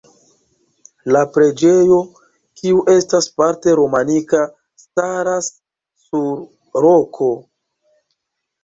La preĝejo, kiu estas parte romanika, staras sur roko.